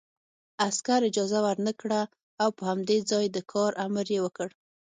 عسکر اجازه ورنکړه او په همدې ځای د کار امر یې وکړ